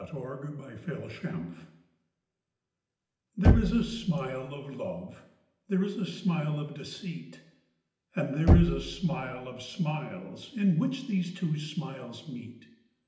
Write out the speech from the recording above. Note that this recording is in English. The Smile THERE is a smile of love, And there is a smile of deceit, And there is a smile of smilesIn which these two smiles meet.